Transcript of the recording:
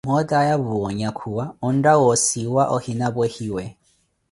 mootaya puwa onyakhuwa, ontta woosiwa ohina pwehiwe.